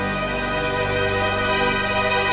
oke kita jalan dulu